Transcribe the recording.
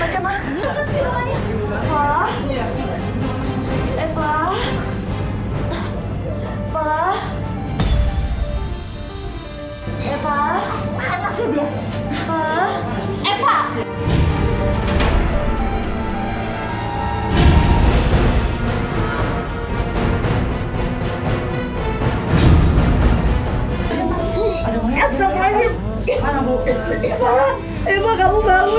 kita lihat ke dalam aja ma